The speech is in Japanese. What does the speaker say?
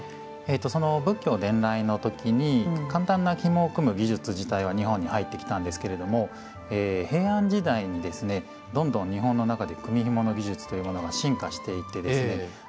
その仏教伝来の時に簡単なひもを組む技術自体は日本に入ってきたんですけれども平安時代にですねどんどん日本の中で組みひもの技術というものが進化していってですね